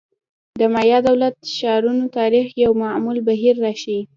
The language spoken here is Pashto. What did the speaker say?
د مایا دولت-ښارونو تاریخ یو معمول بهیر راښيي.